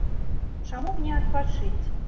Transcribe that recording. Чаму б не адпачыць?